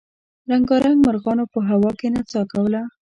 رنګارنګ مرغانو په هوا کې نڅا کوله.